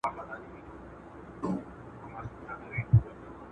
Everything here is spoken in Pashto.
خو څه وکړم د زلفو د يو تار پۀ ارمـــان مړې شوې